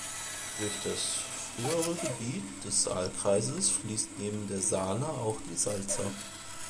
Durch das frühere Gebiet des Saalkreises fließt neben der Saale auch die Salza.